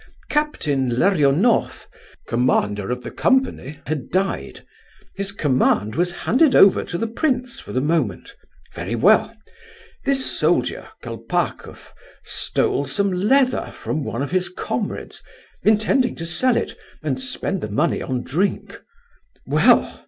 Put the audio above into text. Captain Larionoff, commander of the company, had died; his command was handed over to the prince for the moment. Very well. This soldier, Kolpakoff, stole some leather from one of his comrades, intending to sell it, and spent the money on drink. Well!